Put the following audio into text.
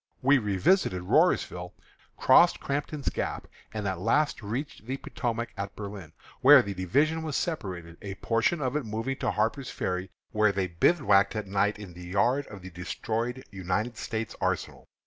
We revisited Rhorersville, crossed Crampton's Gap, and at last reached the Potomac at Berlin, where the division was separated, a portion of it moving to Harper's Ferry, where they bivouacked at night in the yard of the destroyed United States arsenal.